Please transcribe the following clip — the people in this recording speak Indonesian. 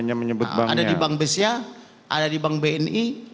ada di bank besia ada di bank bni